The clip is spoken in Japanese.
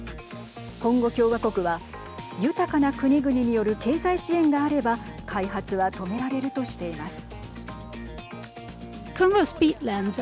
コンゴ共和国は豊かな国々による経済支援があれば開発は止められるとしています。